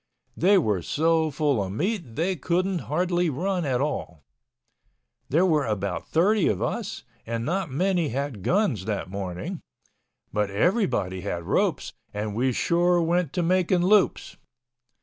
They were so full of meat they couldn't hardly run at all. There were about thirty of us and not many had guns that morning—but everybody had ropes and we sure went to making loops.